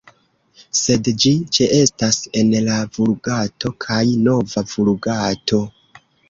Sed ĝi ĉeestas en la Vulgato kaj Nova Vulgato.